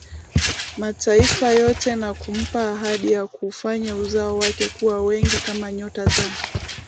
Mataifa yote na kumpa ahadi ya kuufanya uzao wake kuwa wengi kama nyota za